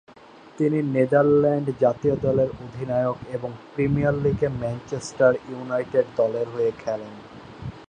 তিনি নেদারল্যান্ড জাতীয় দলের অধিনায়ক এবং প্রিমিয়ার লীগে ম্যানচেস্টার ইউনাইটেড দলের হয়ে খেলেন।